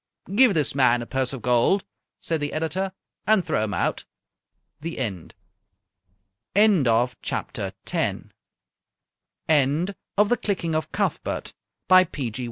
"Give this man a purse of gold," said the editor, "and throw him out." THE END End of Project Gutenberg's The Clicking of Cuthbert, by P. G.